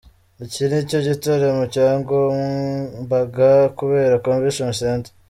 Iki ni cyo gitaramo cyagombaga kubera Convention Centre.